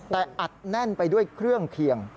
แต่อัดแน่นไปด้วยเครื่องเคียง